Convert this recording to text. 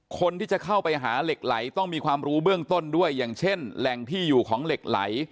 คนที่จะเข้าไปหาเหล็กไหลต้องมีความรู้เบื้องต้นด้วยอย่างเช่นแหล่งที่อยู่ของเหล็กไหล